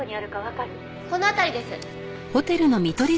この辺りです。